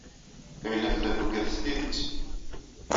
Layla tella tuggad s tidet.